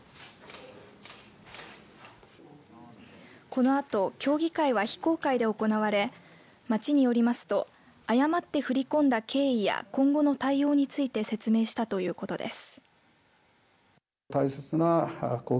このあと協議会は非公開で行われ町によりますと誤って振り込んだ経緯や今後の対応について説明したということです。